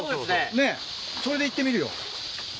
ねっそれで行ってみるよ。